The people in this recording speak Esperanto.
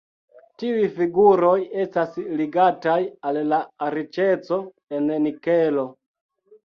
Tiuj figuroj estas ligataj al la riĉeco en nikelo.